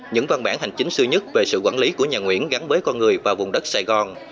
những văn bản hành chính xưa nhất về sự quản lý của nhà nguyễn gắn với con người và vùng đất sài gòn